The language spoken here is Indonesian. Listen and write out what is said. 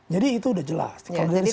jadi itu sudah jelas